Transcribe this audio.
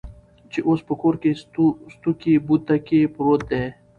چې اوس په کور کې سوتکى بوتکى پروت دى.